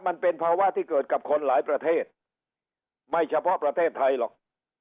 มันเป็นภาวะที่เกิดกับคนหลายประเทศไม่เฉพาะประเทศไทยหรอก